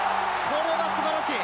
これはすばらしい！